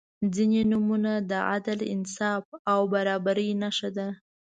• ځینې نومونه د عدل، انصاف او برابري نښه ده.